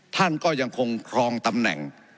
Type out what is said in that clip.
ท่านก็ยังคงครองตำแหน่ง